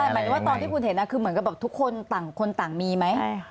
หมายถึงว่าตอนที่คุณเห็นคือเหมือนกับแบบทุกคนต่างคนต่างมีไหม